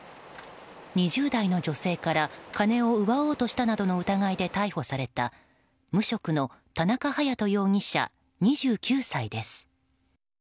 ２０代の女性から金を奪おうとしたなどの疑いで逮捕された無職の田中隼人容疑者２９歳です。